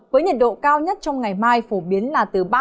với nhiệt độ cao nhất trong ngày mai phổ biến là từ ba mươi bốn ba mươi bảy độ